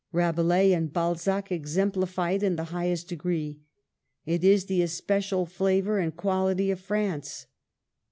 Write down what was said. Rabelais and Balzac exemplify it in the highest degree; it is the especial flavor and quality of France.